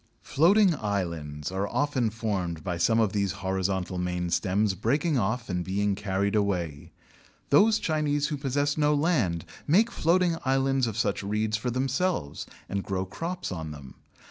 Floating islands are often formed by some of these horizontal main stems breaking off and being carried away. Those Chinese who possess no land make floating islands of such reeds for themselves, and grow crops on them.